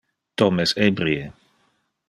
Tom es ebrie.